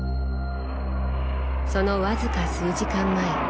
その僅か数時間前。